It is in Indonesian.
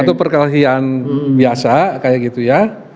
atau perkalahian biasa kayak gitu ya